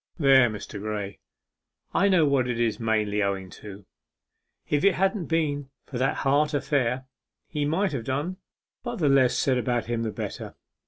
There, Mr. Graye, I know what it is mainly owing to. If it hadn't been for that heart affair, he might have done but the less said about him the better.